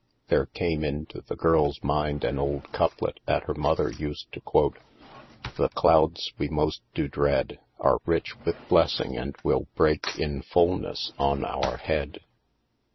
There came into the girl's mind an old couplet that her mother used to quote : The clouds we most do dread, Are rich with blessing, and will break In fullness on our head.